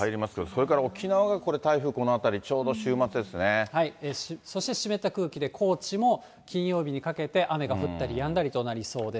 それから沖縄が台風このあたり、そして湿った空気で、高知も金曜日にかけて雨が降ったりやんだりとなりそうです。